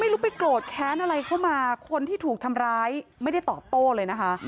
รู้ไปโกรธแค้นอะไรเข้ามาคนที่ถูกทำร้ายไม่ได้ตอบโต้เลยนะคะ